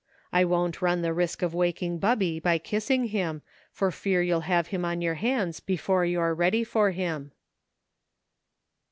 I won't run the risk of waking Bubby by kiss ing him, for fear you'll have him on your hands before you're ready for him."